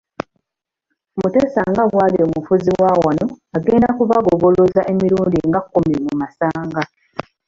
Mutesa nga bw'ali omufuzi wa wano agenda kubagoboloza emirundi nga kkumi mu masanga.